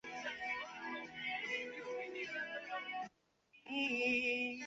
阿波可汗和达头可汗不断攻击沙钵略可汗。